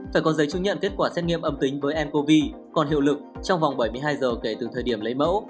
phải có giấy chứng nhận kết quả xét nghiệm âm tính với ncov còn hiệu lực trong vòng bảy mươi hai giờ kể từ thời điểm lấy mẫu